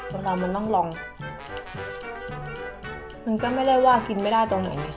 ตอนนี้มันต้องลองมันก็ไม่ได้ว่ากินไม่ได้ตรงไหนเนี่ย